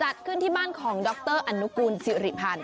จัดขึ้นที่บ้านของดรอนุกูลสิริพันธ์